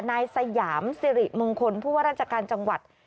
นายสยามสิริมงคลผู้ว่าราชการจังหวัด